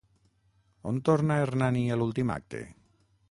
On torna Hernani a l'últim acte?